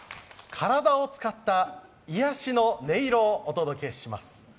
体を使った癒しの音色をお届けします。